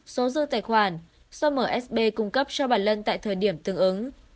số dư tài khoản do msb cung cấp cho bà lân tại thời điểm tương ứng